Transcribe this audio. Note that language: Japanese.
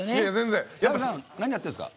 澤部さん何やってるんですか？